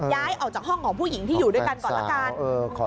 ย้ายออกจากห้องของผู้หญิงที่อยู่ด้วยกันก่อนละกัน